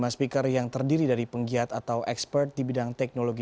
enam puluh lima speaker yang terdiri dari penggiat atau ekspert di bidang teknologi